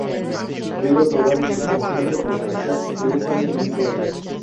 Rigo Tovar y su conjunto Costa azul triunfan en un teatro.